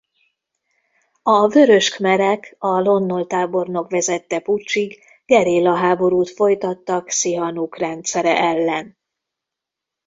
A vörös khmerek a Lon Nol tábornok vezette puccsig gerillaháborút folytattak Szihanuk rendszere ellen.